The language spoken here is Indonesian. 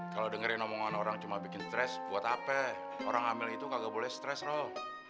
kalau dengerin omongan orang cuma bikin stress buat apa orang hamil itu kagak boleh stress roh